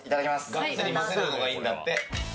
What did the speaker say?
がっつり混ぜるのがいいんだって。